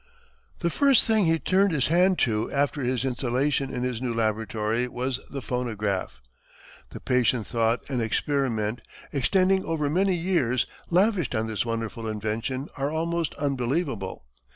The first thing he turned his hand to after his installation in his new laboratory was the phonograph. The patient thought and experiment, extending over many years, lavished on this wonderful invention are almost unbelievable.